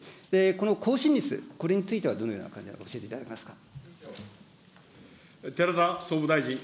この更新率、これについてはどのような感じをお持ちか教えていただけますか。